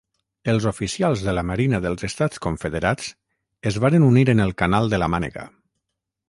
Els oficials de la marina dels Estats Confederats es varen unir en el canal de la Mànega.